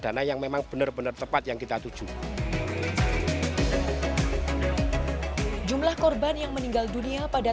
dana yang memang benar benar tepat yang kita tuju jumlah korban yang meninggal dunia pada